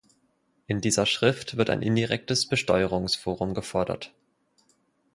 In dieser Schrift wird ein indirektes Besteuerungsforum gefordert.